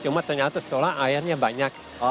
cuma ternyata setelah airnya banyak